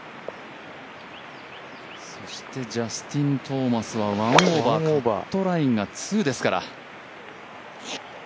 そしてジャスティン・トーマスは１オーバー、カットラインが２ですから。